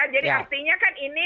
jadi artinya kan ini